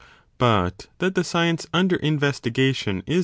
But that the science under investigation is not